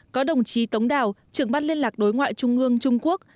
có đồng chí tống đào trưởng ban liên lạc đối ngoại trung ương trung quốc